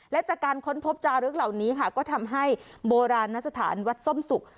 และจากการค้นพบจารึกเหล่านี้ค่ะก็ทำให้โบราณสถานวัดส้มสุก